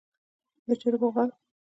د چرګو غل.